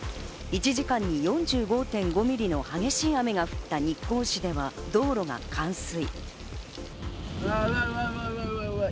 １時間に４５．５ミリの激しい雨が降った日光市では道路が冠水。